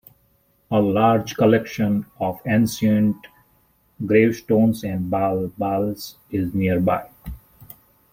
A large collection of ancient gravestones and bal-bals is nearby.